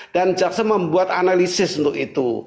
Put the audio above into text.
dan caksa membuat analisis untuk itu